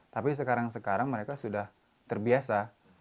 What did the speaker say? tapi sekarang sekarang mereka sudah terbiasa